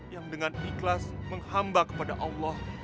yang dengan ikhlas menghamba kepada allah